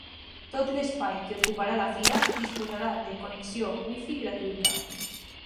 Tot l’espai que ocuparà la fira disposarà de connexió wifi gratuïta.